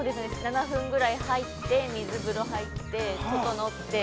７分ぐらい入って、水風呂に入って、調って。